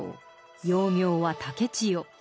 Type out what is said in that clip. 幼名は竹千代。